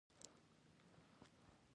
افغانستان د چرګان د پلوه ځانته ځانګړتیا لري.